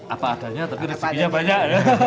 apa adanya tapi rezekinya banyak